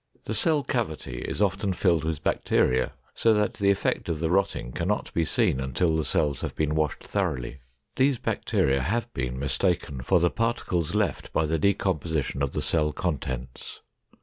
The cell cavity is often filled with bacteria, so that the effect of the rotting can not be seen until the cells have been washed thoroughly. These bacteria have been mistaken for the particles left by the decomposition of the cell contents.